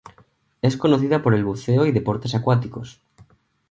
Es conocida por el buceo y deportes acuáticos.